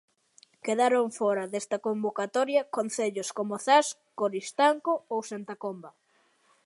Quedaron fóra desta convocatoria concellos como Zas, Coristanco, ou Santa Comba.